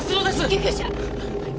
救急車！